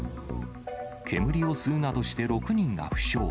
煙を吸うなどして６人が負傷。